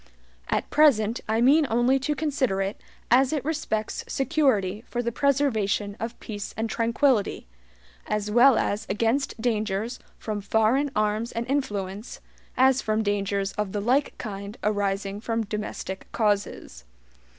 At present I mean only to consider it as it respects security for the preservation of peace and tranquillity, as well as against dangers from FOREIGN ARMS AND INFLUENCE, as from dangers of the LIKE KIND arising from domestic causes.